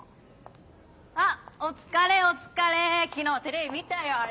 あっお疲れお疲れ昨日テレビ見たよあれ。